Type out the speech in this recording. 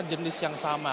jenis yang sama